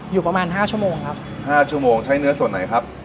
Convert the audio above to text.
อยู่ประมาณห้าชั่วโมงครับห้าชั่วโมงใช้เนื้อส่วนไหนครับ